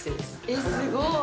えっすごい。